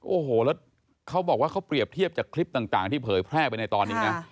โอ้โหแล้วเขาบอกว่าเขาเปรียบเทียบจากคลิปต่างที่เผยแพร่ไปในตอนนี้นะ